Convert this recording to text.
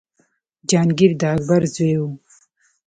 جهانګیر د اکبر زوی و.